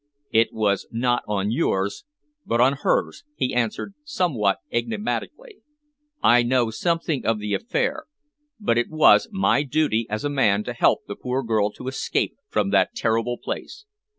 "It was not on yours, but on hers," he answered, somewhat enigmatically. "I know something of the affair, but it was my duty as a man to help the poor girl to escape from that terrible place.